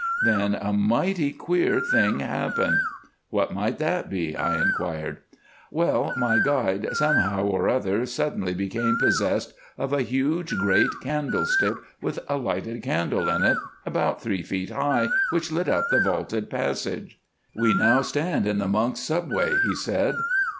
Then a mighty queer thing happened." "What might that be?" I enquired. "Well, my guide somehow or other suddenly became possessed of a huge great candlestick with a lighted candle in it, about three feet high, which lit up the vaulted passage. "'We now stand in the monk's sub way,' he said.